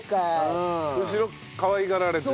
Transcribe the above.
むしろかわいがられて？